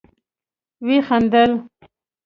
ويې خندل.